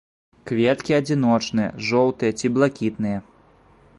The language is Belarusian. Кветкі адзіночныя, жоўтыя ці блакітныя.